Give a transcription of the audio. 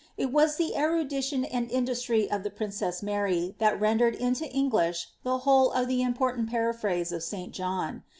It was the erudition and indu9tr}' of the princess Mary tbat rendered into English the whole of the iniportiot paraplirase of St. John.